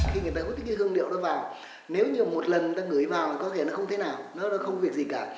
khi người ta hút cái hương liệu đó vào nếu như một lần người ta ngửi vào thì có thể nó không thế nào nó không việc gì cả